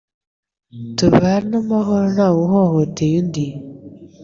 Tubane amahoro ntawuhohoteye undi,